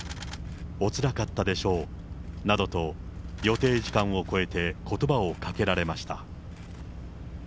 おつらかったでしょうなどと、予定時間を超えてことばをかけられました。